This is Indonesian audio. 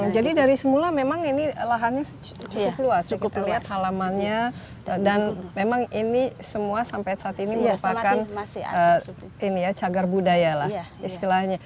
jadi dari semula memang ini lahannya cukup luas kita lihat halamannya dan memang ini semua sampai saat ini merupakan ini ya cagar budaya lah istilahnya